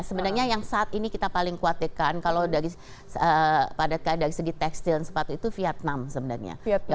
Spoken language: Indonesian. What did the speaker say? sebenarnya yang saat ini kita paling kuatirkan kalau dari segi tekstil dan sepatu itu vietnam sebenarnya